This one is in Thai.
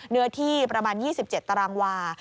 เนื้อที่ประมาณ๒๗ตารางวา